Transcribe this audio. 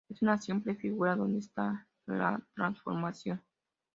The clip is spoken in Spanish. En una simple figura, ¿donde está la transformación?